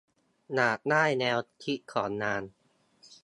อยากได้แนวคิดของงาน